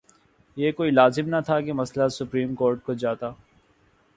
یہ کوئی لازم نہ تھا کہ مسئلہ سپریم کورٹ کو جاتا۔